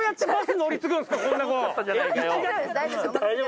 大丈夫。